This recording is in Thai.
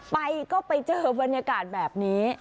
ไปก็ไปเจอบรรยากาศแบบนี้